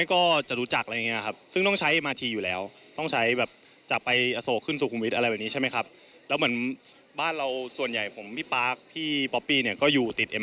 นอกจากนี้กรุงไทยบัตรเดบิตแมงมุม